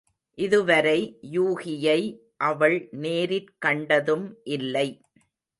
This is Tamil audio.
இதுவரை யூகியை அவள் நேரிற் கண்டதும் இல்லை.